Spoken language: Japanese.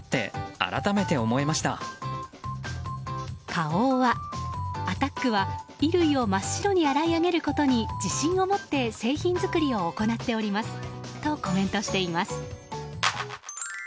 花王は、アタックは衣類を真っ白に洗い上げることに自信を持って製品作りを行っておりますとコメントしています。